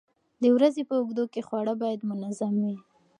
د ورځې په اوږدو کې خواړه باید منظم وي.